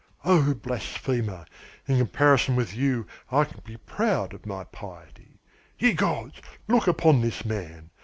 "Oh, blasphemer, in comparison with you I can be proud of my piety. Ye gods, look upon this man!